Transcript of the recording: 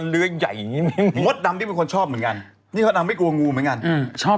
เฮ้ยบ้าฉันไม่เคยเอางู้เข้าปาก